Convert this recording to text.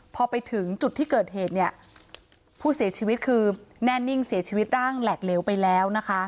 พอไปถึงจุดที่เกิดเหตุเนี่ยผู้เสียชีวิตคือแน่นิ่งเสียชีวิตร่างแหลกเหลวไปแล้วนะคะ